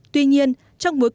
tuy nhiên trong bối cảnh